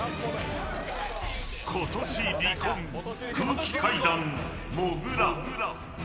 今年離婚空気階段もぐら。